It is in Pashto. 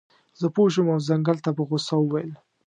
زه پوه شم او ځنګل ته په غوسه وویل.